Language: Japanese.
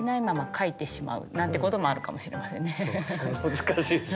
難しいっすね。